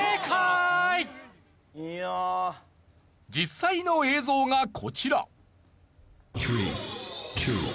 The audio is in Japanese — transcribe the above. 実際の映像がこちら。